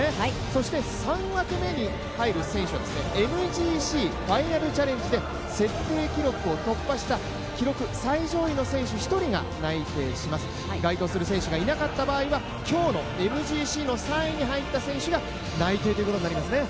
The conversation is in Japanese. そして３枠目に入る選手はＭＧＣファイナルチャレンジで設定記録を突破した記録最上位の選手１人が内定します該当する選手がいなかった場合は、今日のＭＧＣの３位に入った選手が内定ということになります。